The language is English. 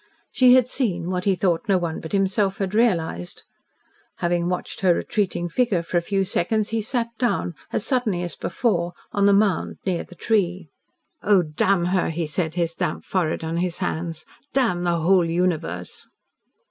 She had seen what he thought no one but himself had realised. Having watched her retreating figure for a few seconds, he sat down as suddenly as before on the mound near the tree. "Oh, damn her!" he said, his damp forehead on his hands. "Damn the whole universe!"